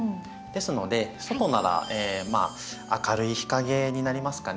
ですので外ならまあ明るい日陰になりますかね